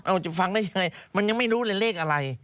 เราจะฟังได้ยังไงมันยังไม่รู้เลยเลขอะไร